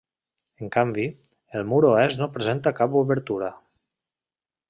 En canvi, el mur oest no presenta cap obertura.